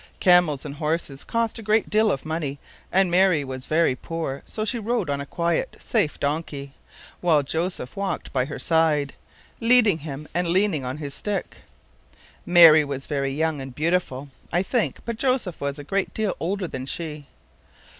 Camels and horses cost a great deal of money, and Mary was [Pg 64]very poor; so she rode on a quiet, safe donkey, while Joseph walked by her side, leading him and leaning on his stick. Mary was very young, and beautiful, I think, but Joseph was a great deal older than she.